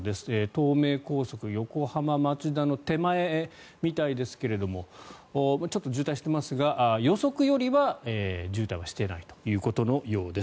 東名高速横浜町田の手前みたいですけれどもちょっと渋滞していますが予測よりは渋滞はしていないということのようです。